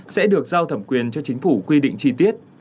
sẽ được giao thẩm quyền cho chính phủ quy định chi tiết